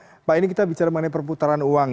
nah pak ini kita bicara mengenai perputaran uang ya